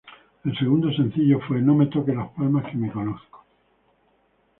El segundo sencillo fue "¡No me toques las palmas que me conozco!